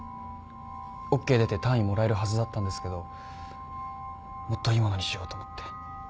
ＯＫ出て単位もらえるはずだったんですけどもっといいものにしようと思って。